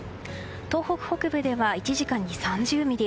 東北北部では１時間に３０ミリ。